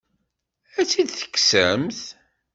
Ad tt-id-tekksemt?